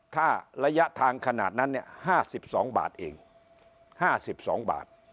ถ้าระยะทางขนาดนั้นเนี่ย๕๒บาทเอง๕๒บาท